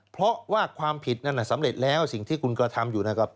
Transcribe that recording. เพราะว่าความผิดนั้นสำเร็จแล้วสิ่งที่คุณกระทำอยู่นะครับ